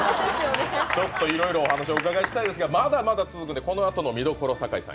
ちょっといろいろお話お伺いしたいのですがまだまだ続きますのでこのあとの見どころ、堺さん